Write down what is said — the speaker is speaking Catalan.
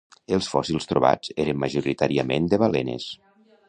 Els fòssils trobats eren majoritàriament de balenes.